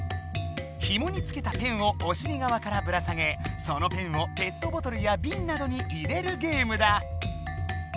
ひもにつけたペンをおしりがわからぶら下げそのペンをペットボトルやビンなどに入れるゲームだ。